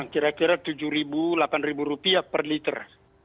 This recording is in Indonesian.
kira kira rp tujuh delapan per liter